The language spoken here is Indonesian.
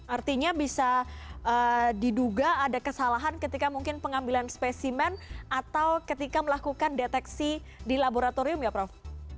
artinya bisa diduga ada kesalahan ketika mungkin pengambilan spesimen atau ketika melakukan deteksi di laboratorium ya prof